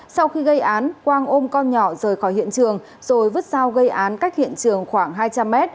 sau khi gây án quang ôm con nhỏ rời khỏi hiện trường rồi vứt sao gây án cách hiện trường khoảng hai trăm linh m